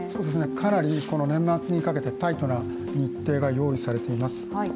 かなり年末にかけてタイトな日程が用意されています。